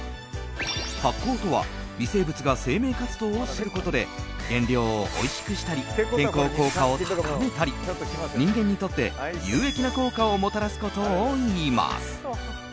発酵とは微生物が生命活動をすることで原料をおいしくしたり健康効果を高めたり人間にとって有益な効果をもたらすことを言います。